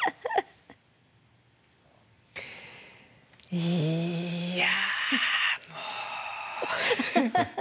いやもう。